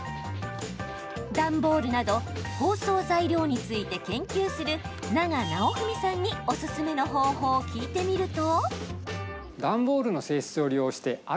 段ボールなど包装材料について研究する永直文さんにおすすめの方法を聞いてみると。